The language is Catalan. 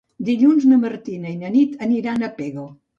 Dilluns na Martina i na Nit aniran a Pego.